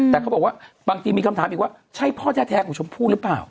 แต่เขาบอกว่าบางทีมีคำถามอีกว่าใช่พ่อแท้ของชมพู่หรือเปล่า